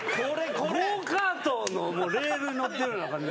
ゴーカートのレール乗ってるような感じで。